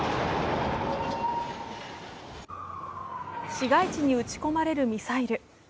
市街地に撃ち込まれるミサイル。